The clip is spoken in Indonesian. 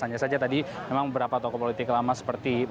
hanya saja tadi memang beberapa tokoh politik lama seperti